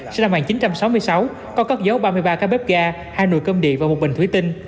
sẽ là màn chín trăm sáu mươi sáu có cất dấu ba mươi ba cái bếp ga hai nồi cơm địa và một bình thủy tinh